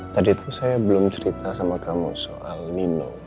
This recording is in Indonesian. tadi itu saya belum cerita sama kamu soal nino